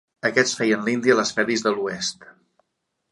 Aquests feien l'indi a les pel·lis de l'Oest.